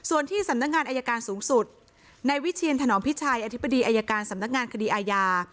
ส่วนที่สำนักงานอายการสูงสุดในวิเชียนถนอมพิชัยอธิบดีอายการสำนักงานคดีอาญา